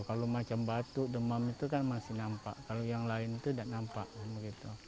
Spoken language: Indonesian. kalau macam batuk demam itu kan masih nampak kalau yang lain itu tidak nampak